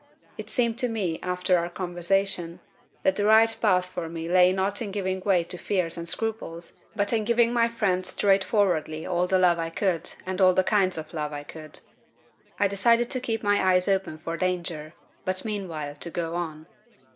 It seemed to me, after our conversation, that the right path for me lay not in giving way to fears and scruples, but in giving my friend straightforwardly all the love I could and all the kinds of love I could. I decided to keep my eyes open for danger, but meanwhile to go on.